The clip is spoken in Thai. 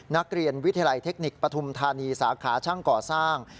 นักเรียนวิทยาลัยเทคนิคปฐุมธานีสาขาช่างก่อสร้าง